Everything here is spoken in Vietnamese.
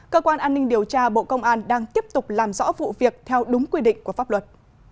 cơ quan an ninh điều tra bộ công an đang tiếp tục làm rõ vụ việc theo đúng quy định của pháp luật